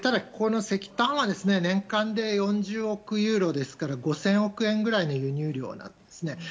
石炭は年間で４０億ユーロですから５０００億円くらいの輸入量なんですね。